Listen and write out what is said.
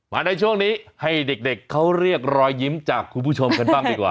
ในช่วงนี้ให้เด็กเขาเรียกรอยยิ้มจากคุณผู้ชมกันบ้างดีกว่า